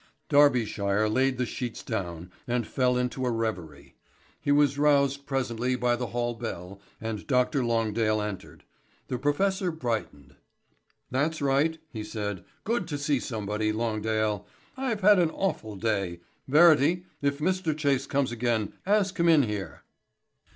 Darbyshire laid the sheets down and fell into a reverie. He was roused presently by the hall bell and Dr Longdale entered. The professor brightened. "That's right," he said. "Good to see somebody, Longdale. I've had an awful day. Verity, if Mr. Chase comes again ask him in here."